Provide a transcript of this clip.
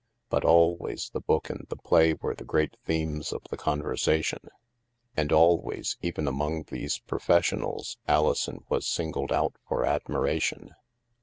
But always the book and the play were the great themes of the conversation; and always, even among these professionals, Alison was singled out for admiration.